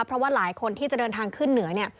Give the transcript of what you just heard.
เพราะว่าหลายคนที่จะเดินทางขึ้นเหนือ